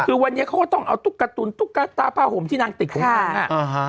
คือวันนี้เขาก็ต้องเอาตุ๊กตุ๋นตุ๊กตาผ้าห่มที่นางติดของนางอ่ะ